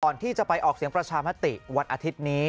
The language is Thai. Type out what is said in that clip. ก่อนที่จะไปออกเสียงประชามติวันอาทิตย์นี้